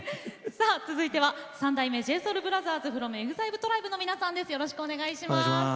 続いては三代目ＪＳｏｕｌＢｒｏｔｈｅｒｓｆｒｏｍＥＸＩＬＥＴＲＩＢＥの皆さんです。